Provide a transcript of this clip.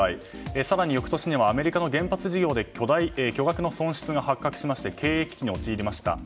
更に翌年にはアメリカの原発事業で巨額の損失が発覚しまして経営危機に陥りました。